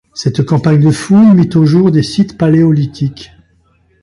Cette campagne de fouilles mit au jour des sites paléolithiques.